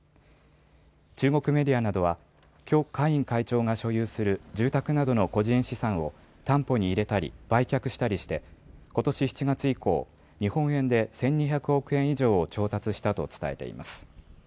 中国メディアなどは許家印会長が所有する住宅などの個人資産を担保に入れたり売却したりしてことし７月以降、日本円で１２００億円以上を調達したと伝えています。